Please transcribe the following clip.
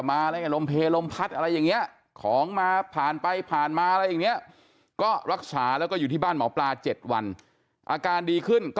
มันเป็นอย่างไรพี่ออร์ตอนนี้